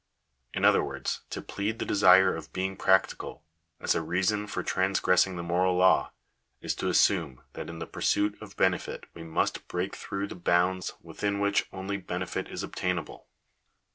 In other words, to plead the desire of being practical, as a reason for transgressing the moral law, is to assume that in the pursuit of benefit we must break through the bounds within which only benefit is obtainable.